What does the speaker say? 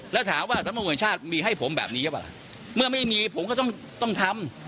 แล้วถามว่าสรรพงศาสตร์มีให้ผมแบบนี้หรือเปล่าเมื่อไม่มีผมก็ต้องต้องทำ